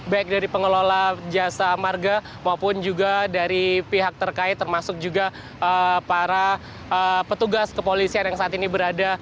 baik dari pengelola jasa marga maupun juga dari pihak terkait termasuk juga para petugas kepolisian yang saat ini berada